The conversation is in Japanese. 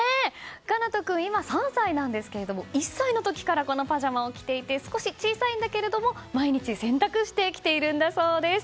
叶冬君、今３歳なんですけど１歳の時からこのパジャマを着ていて少し小さいんだけれども毎日、洗濯して着ているんだそうです。